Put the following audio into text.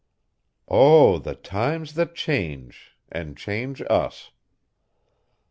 Oh, the times that change, and change us!